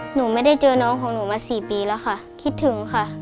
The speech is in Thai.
หนูไม่ได้เจอน้องของหนูมา๔ปีแล้วค่ะคิดถึงค่ะ